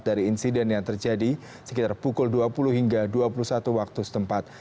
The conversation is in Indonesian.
dari insiden yang terjadi sekitar pukul dua puluh hingga dua puluh satu waktu setempat